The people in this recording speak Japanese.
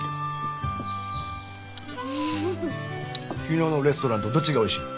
昨日のレストランとどっちがおいしい？